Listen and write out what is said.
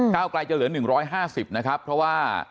ไกลจะเหลือ๑๕๐นะครับเพราะว่า